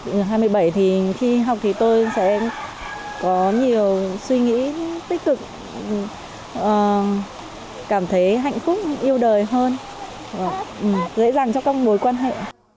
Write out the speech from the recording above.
năm hai nghìn một mươi bảy thì khi học thì tôi sẽ có nhiều suy nghĩ tích cực cảm thấy hạnh phúc yêu đời hơn dễ dàng cho các mối quan hệ